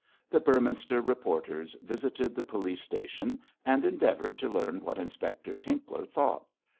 The Beorminster reporters visited the police station and endeavoured to learn what Inspector Tinkler thought.